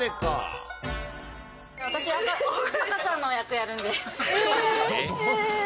私、赤ちゃんの役やるんで。ーえー。